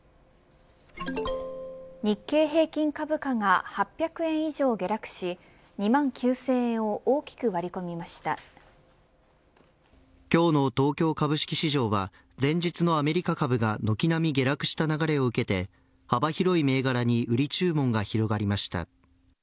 日経平均株価が８００円以上下落し２万９０００円を今日の東京株式市場は前日のアメリカ株が軒並み下落した流れを受けて幅広い銘柄に売り注文が広がりました。